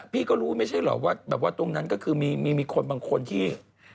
พี่ก็รู้ไม่ใช่หรอกว่าแบบว่าตรงนั้นก็คือมีคนบางคนที่